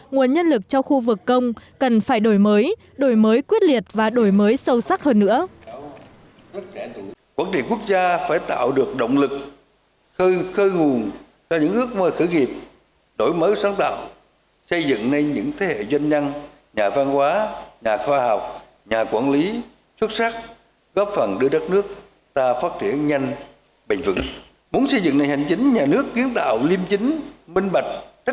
nguồn nhân lực cho khu vực công cần phải đổi mới đổi mới quyết liệt và đổi mới sâu sắc hơn nữa